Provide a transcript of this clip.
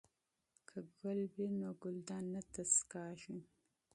که ګل وي نو ګلدان نه تشیږي.